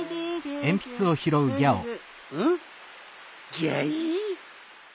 ギャイ？